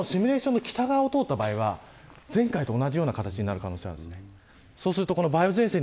ただし、シミュレーションの北側を通った場合は前回と同じような形になる可能性があります。